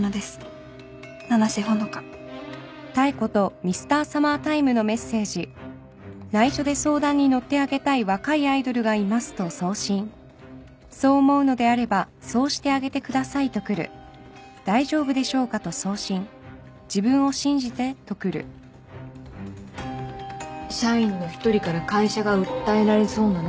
「七瀬ほのか」社員の一人から会社が訴えられそうなの。